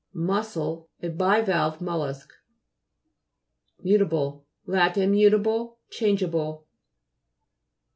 MTJ'SSEI, A bivalve mollusk. MUTA'BILE' Lat. Mutable, change able.